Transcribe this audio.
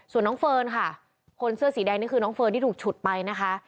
ส่วนน้องเฟิร์นค่ะคนเสื้อสีแดงนี่คือน้องเฟิร์นที่ถูกฉุดไปนะคะ